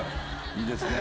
いいですね。